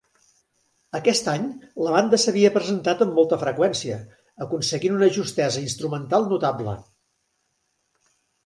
Aquest any la banda s'havia presentat amb molta freqüència, aconseguint una justesa instrumental notable.